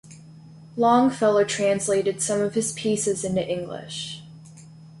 Longfellow translated some of his pieces into English.